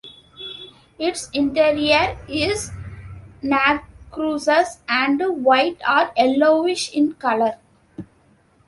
Its interior is nacreous and white or yellowish in colour.